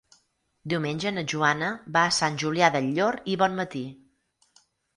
Diumenge na Joana va a Sant Julià del Llor i Bonmatí.